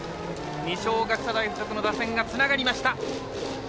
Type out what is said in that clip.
二松学舍大付属の打点がつながりました。